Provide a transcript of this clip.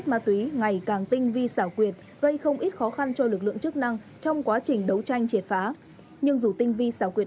nhưng dù tinh vi xảo quyệt đối tượng mua bán tàng trữ trái phép chất ma túy